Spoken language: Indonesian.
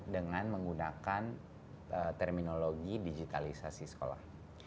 dengan menggunakan terminologi digitalisasi sekolah